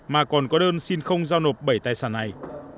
mà còn có đơn xin không giao nộp bảy tài sản này